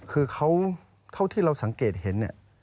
คือเขาเท่าที่เราสังเกตเห็นเนี่ย